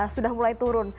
sudah mulai turun